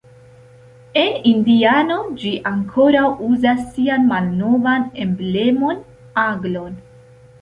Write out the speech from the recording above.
En Indianao ĝi ankoraŭ uzas sian malnovan emblemon, aglon.